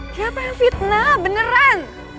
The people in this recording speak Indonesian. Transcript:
kenapa yang fitnah beneran